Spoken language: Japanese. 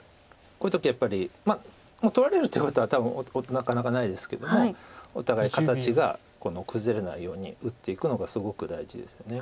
こういう時やっぱり取られるってことは多分なかなかないですけどもお互い形が崩れないように打っていくのがすごく大事ですよね